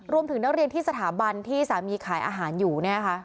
รวมถึงนักเรียนที่สถาบันที่สามีขายอาหารอยู่เนี่ยค่ะ